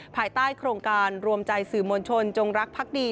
ภายใต้โครงการรวมใจสื่อมวลชนจงรักพักดี